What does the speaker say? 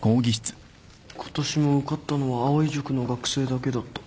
今年も受かったのは藍井塾の学生だけだった。